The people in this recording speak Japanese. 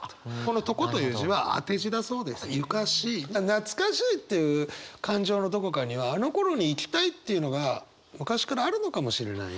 懐かしいっていう感情のどこかにはあのころに行きたいっていうのが昔からあるのかもしれないね。